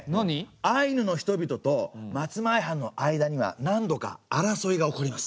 アイヌの人々と松前藩の間には何度か争いが起こります。